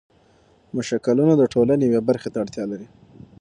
مشکلونه د ټولنې یوې برخې ته اړتيا لري.